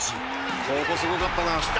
「ここすごかったな」